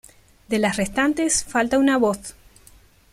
De las restantes falta una voz.